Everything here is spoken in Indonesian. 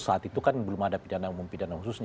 saat itu kan belum ada pidana umum pidana khususnya